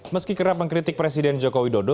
meski kerap mengkritik presiden jokowi dodo